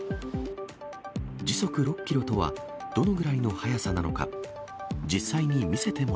時速６キロとはどのぐらいの速さなのか。